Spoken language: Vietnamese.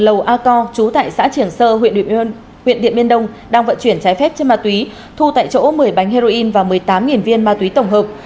lầu a co trú tại xã triển sơ huyện điện biên đông đang vận chuyển trái phép trên ma túy thu tại chỗ một mươi bánh heroin và một mươi tám viên ma túy tổng hợp